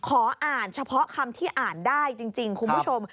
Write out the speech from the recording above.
ขออ่านเฉพาะคำที่อ่านได้จริงคุณผู้ชม